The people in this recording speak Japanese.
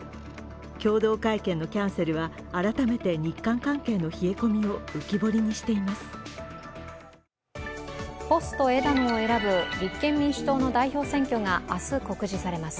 共同会見のキャンセルは改めて日韓関係の冷え込みを浮き彫りにしています。